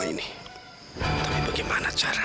kacau semua kacau